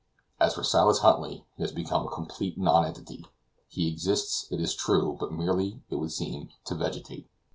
As for Silas Huntly, he has become a complete nonentity; he exists, it is true, but merely, it would seem, to vegetate.